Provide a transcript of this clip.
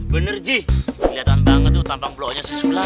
bener ji keliatan banget tuh tampang bloknya si sulap